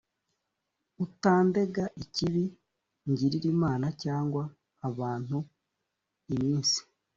utandega ikibi ngirira imana cyangwa abantu iminsi